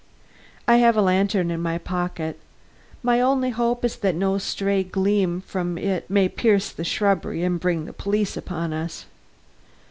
"I have a lantern in my pocket. My only hope is that no stray gleam from it may pierce the shrubbery and bring the police upon us."